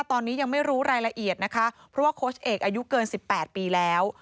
ตอนนี้ยังไม่รู้รายละเอียดนะคะเพราะว่าโค้ชเอกอายุเกิน๑๘ปีแล้ว